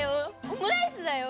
オムライスだよ？